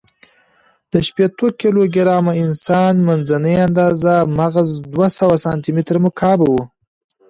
د شپېتو کیلو ګرامه انسان، منځنۍ آندازه مغز دوهسوه سانتي متر مکعب و.